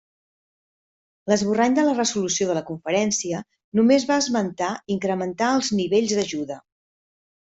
L'esborrany de la resolució de la conferència, només va esmentar incrementar els nivells d'ajuda.